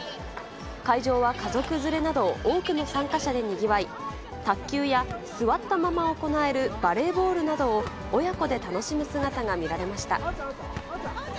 会場は家族連れなど、多くの参加者でにぎわい、卓球や座ったまま行えるバレーボールなどを親子で楽しむ姿が見られました。